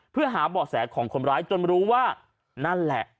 เพื่อหาเบาะแสของคนร้ายจนรู้ว่านั่นแหละ